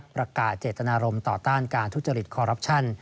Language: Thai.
ประกาศเจตนารมณ์ต่อต้านการทุจริตคอรัปชั่น